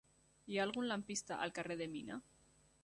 Hi ha algun lampista al carrer de Mina?